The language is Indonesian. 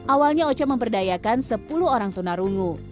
awalnya o c a memperdayakan sepuluh orang tunarungu